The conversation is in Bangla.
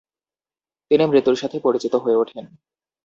তিনি মৃত্যুর সাথে পরিচিত হয়ে ওঠেন।